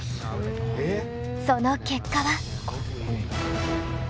その結果は？